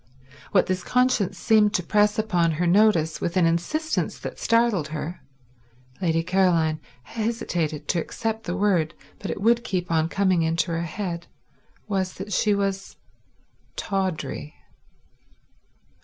What this conscience seemed to press upon her notice with an insistence that startled her—Lady Caroline hesitated to accept the word, but it would keep on coming into her head—was that she was tawdry.